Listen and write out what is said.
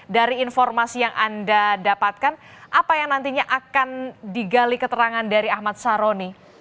dari informasi yang anda dapatkan apa yang nantinya akan digali keterangan dari ahmad saroni